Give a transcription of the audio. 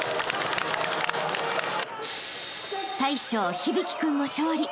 ［大将響君も勝利］